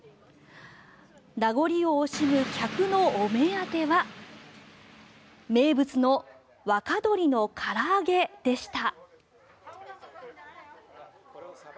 名残を惜しむ客のお目当ては名物の若鳥唐揚でした。